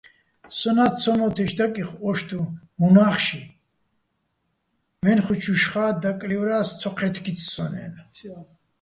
სონა́ ცომო́თთეშ დაკიხო ო́შტუჼ უ̂ნახში, მე́ნხუჲჩუჲშხა́ დაკლივრა́ს, ცო ჴე́თგიც სონ-აჲნო̆.